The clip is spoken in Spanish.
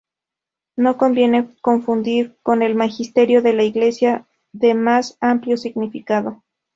No conviene confundir con el Magisterio de la Iglesia, de más amplio significado.